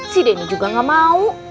si denny juga gak mau